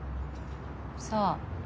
さあ。